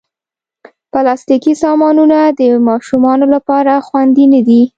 پلاستيکي سامانونه د ماشومانو لپاره خوندې نه دي.